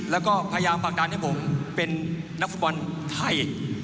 แล้วก็พยายามผลักดันให้ผมเป็นนักฟุตบอลไทย